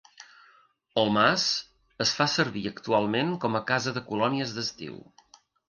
El mas es fa servir actualment com a casa de colònies d'estiu.